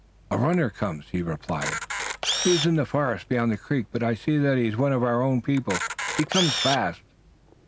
"A runner comes," he replied. "He is in the forest beyond the creek, but I see that he is one of our own people. He comes fast."